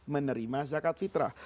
menerima zakat fitrah